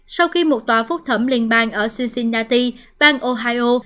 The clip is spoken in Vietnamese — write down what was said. tại một tòa phúc thẩm liên bang ở cincinnati bang ohio